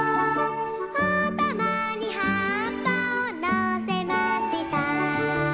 「あたまにはっぱをのせました」